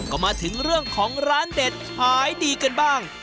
ก็มาถึงเรื่องของร้านเด็ดขายดีกันบ้าง